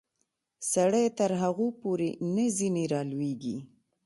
سړی تر هغو پورې نه ځینې رالویږي.